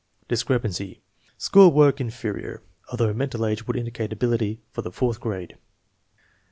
Discrepancy: School work "inferior" although mental age would indicate ability for the fourth grade.